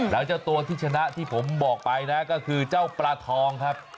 แล้วเจ้าตัวที่ชนะที่ผมบอกไปนะก็คือเจ้าปลาทองครับ